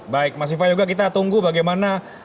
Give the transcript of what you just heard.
baik mas ifayoga kita tunggu bagaimana